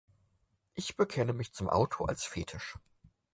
Nicht bekenne ich mich zum Auto als Fetisch.